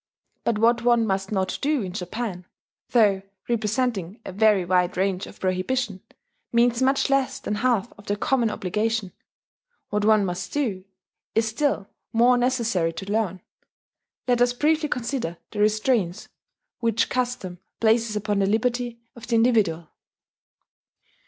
But what one must not do in Japan though representing a very wide range of prohibition means much less than half of the common obligation: what one must do, is still more necessary to learn .... Let us briefly consider the restraints which custom places upon the liberty of the individual.